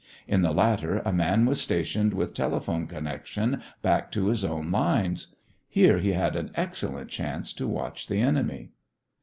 In the latter a man was stationed with telephone connection back to his own lines. Here he had an excellent chance to watch the enemy.